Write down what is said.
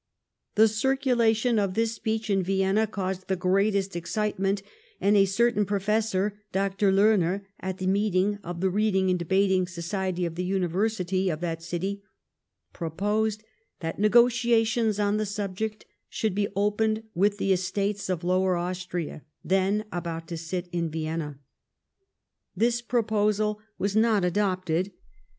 The circulation of this speech in Vienna caused the greatest excitement, and a certain jirofessor, Dr. Eohner, at a meet ing of the Keading and Debating Society of the University of that city, proposed that negotiations on the subject should be opened with the Estates of Lower Austria — then about to sit in Vienna. This proposal was nut adopted.